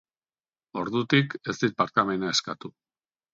Ordutik, ez dit barkamena eskatu.